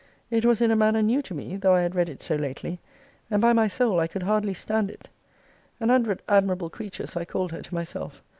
It was in a manner new to me, though I had read it so lately: and, by my soul, I could hardly stand it. An hundred admirable creatures I called her to myself.